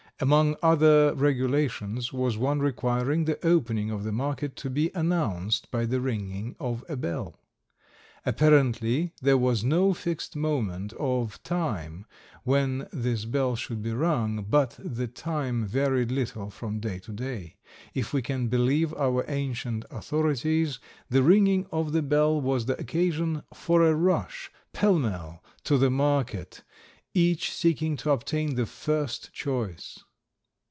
Among other regulations was one requiring the opening of the market to be announced by the ringing of a bell. Apparently there was no fixed moment of time when this bell should be rung, but the time varied little from day to day. If we can believe our ancient authorities, the ringing of the bell was the occasion for a rush, pellmell, to the market, each seeking to obtain the first choice.